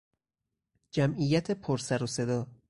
جمعیت پر سر و صدا